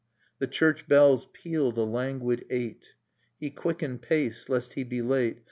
. The church bells pealed a languid eight: He quickened pace lest he be late